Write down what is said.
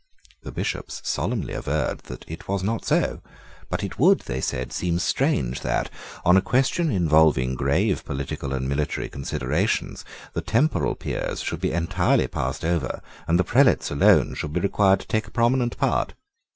The Bishops solemnly averred that it was not so. But it would, they said, seem strange that, on a question involving grave political and military considerations, the temporal peers should be entirely passed over, and the prelates alone should be required to take a prominent part.